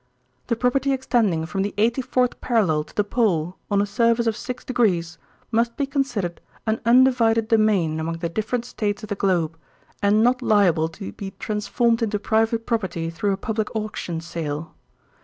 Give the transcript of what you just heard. "The property extending from the eighty fourth parallel to the pole on a surface of six degrees must be considered an undivided domain among the different states of the globe and not liable to be transformed into private property through a public auction sale.